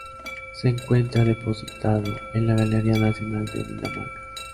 Se encuentra depositado en la Galería Nacional de Dinamarca.